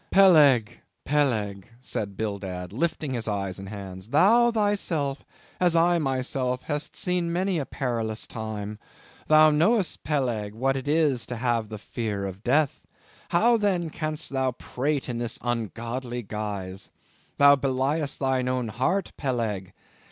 "Peleg! Peleg!" said Bildad, lifting his eyes and hands, "thou thyself, as I myself, hast seen many a perilous time; thou knowest, Peleg, what it is to have the fear of death; how, then, can'st thou prate in this ungodly guise. Thou beliest thine own heart, Peleg.